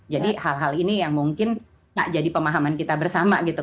jadi hal hal ini yang mungkin gak jadi pemahaman kita bersama gitu